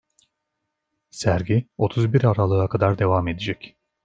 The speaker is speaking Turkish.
Sergi otuz bir Aralık'a kadar devam edecek.